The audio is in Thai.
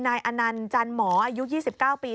อนันต์จันหมออายุ๒๙ปี